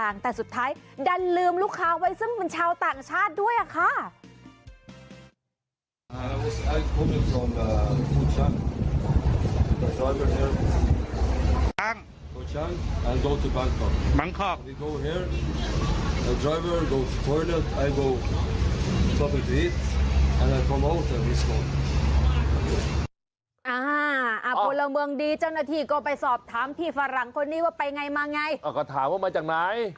นี่ดโกนนิ้วดัชนิยรรหานโอฮุล